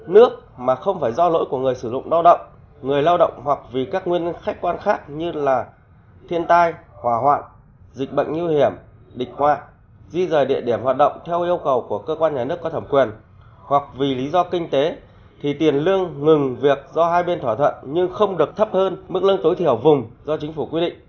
nước mà không phải do lỗi của người sử dụng lao động người lao động hoặc vì các nguyên khách quan khác như là thiên tai hòa hoạ dịch bệnh nguy hiểm địch hoạ di rời địa điểm hoạt động theo yêu cầu của cơ quan nhà nước có thẩm quyền hoặc vì lý do kinh tế thì tiền lương ngừng việc do hai bên thỏa thuận nhưng không được thấp hơn mức lương tối thiểu vùng do chính phủ quy định